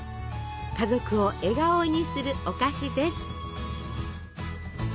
家族を笑顔にするお菓子です。